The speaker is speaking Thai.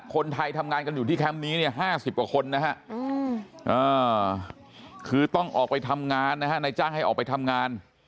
คนไทยทำงานกันอยู่ที่แคมป์นี้เนี่ย๕๐กว่าคนนะฮะคือต้องออกไปทำงานนะฮะนายจ้างให้ออกไปทำงาน